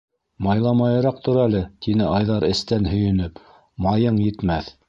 - Майламайыраҡ тор әле... - тине Айҙар, эстән һөйөнөп, - майың етмәҫ!